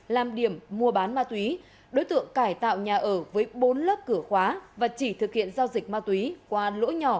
làm điểm mua bán ma túy đối tượng cải tạo nhà ở với bốn lớp cửa khóa và chỉ thực hiện giao dịch ma túy qua lỗi nhỏ